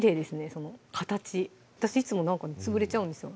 その形私いつもなんかね潰れちゃうんですよ